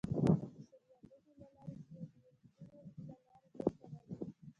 وینه د شریانونو له لارې ځي او د وریدونو له لارې بیرته راځي